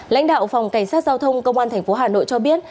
lãnh đạo phòng cảnh sát giao thông công an thành phố hà nội cho biết